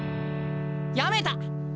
やめた！